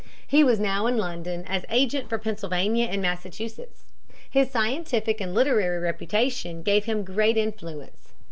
He was now in London as agent for Pennsylvania and Massachusetts. His scientific and literary reputation gave him great influence.